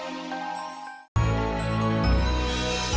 gak bisa sih